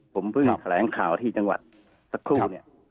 ผมเพิ่งแถลงข่าวที่จังหวัดสักครู่เนี่ย